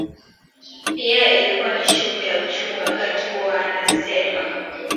pia ilikuwa ni shughuli ya uchumi wakati huo anasema